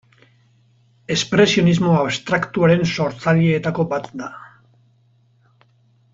Espresionismo abstraktuaren sortzaileetako bat da.